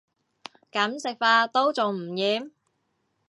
噉食法都仲唔厭